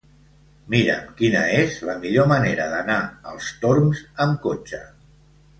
Mira'm quina és la millor manera d'anar als Torms amb cotxe.